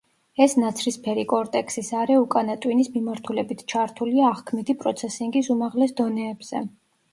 ეს ნაცრისფერი კორტექსის არე უკანა ტვინის მიმართულებით ჩართულია აღქმითი პროცესინგის უმაღლეს დონეებზე.